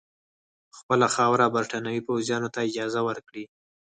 په خپله خاوره کې برټانوي پوځیانو ته اجازه ورکړي.